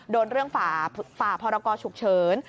โดนเรื่องฝ่าพรกรฉุกเฉิน